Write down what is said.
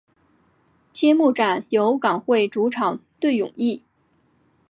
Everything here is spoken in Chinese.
揭幕战由港会主场对永义。